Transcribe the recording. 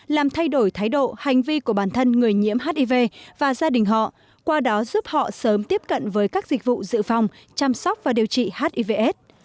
làm thay đổi thái độ hành vi của bản thân người nhiễm hiv và gia đình họ qua đó giúp họ sớm tiếp cận với các dịch vụ dự phòng chăm sóc và điều trị hivs